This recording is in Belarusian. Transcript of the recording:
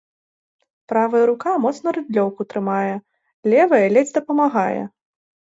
Правая рука моцна рыдлёўку трымае, левая ледзь дапамагае.